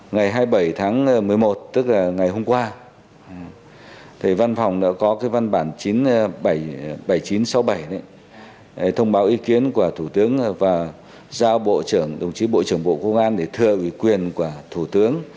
ngày hai mươi bảy tháng một mươi một tức là ngày hôm qua văn phòng đã có văn bản chín mươi bảy nghìn chín trăm sáu mươi bảy thông báo ý kiến của thủ tướng và giao đồng chí bộ trưởng bộ công an để thưa quyền của thủ tướng